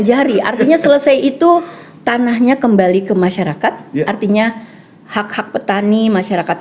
jari artinya selesai itu tanahnya kembali ke masyarakat artinya hak hak petani masyarakat